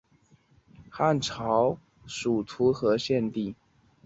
汉朝属徒河县地。